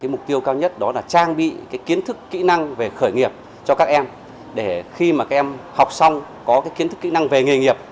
mục tiêu cao nhất đó là trang bị kiến thức kỹ năng về khởi nghiệp cho các em để khi mà các em học xong có kiến thức kỹ năng về nghề nghiệp